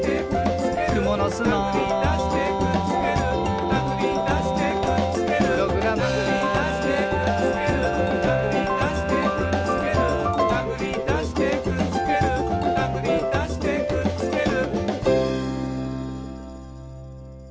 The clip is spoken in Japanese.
「くものすの」「たぐりだしてくっつける」「たぐりだしてくっつける」「プログラム」「たぐりだしてくっつける」「たぐりだしてくっつける」「たぐりだしてくっつけるたぐりだしてくっつける」